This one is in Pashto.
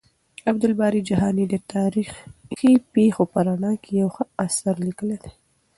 عبدالباري جهاني د تاريخي پېښو په رڼا کې يو ښه اثر ليکلی دی.